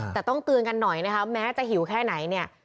แต่ต้องเตือนกันหน่อยนะคะแม้จะหิวแค่ไหนเนี่ย